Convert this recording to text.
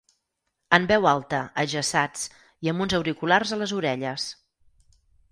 En veu alta, ajaçats, i amb uns auriculars a les orelles.